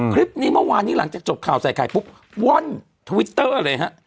คลิปนี้เมื่อวานนี้หลังจากจบข่าวใส่ไข่ปุ๊บว่อนทวิตเตอร์เลยฮะ